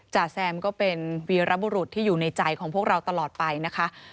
จ่าแซมก็เป็นวีรบุรุษที่อยู่ในใจของพวกเราตลอดไปนะคะ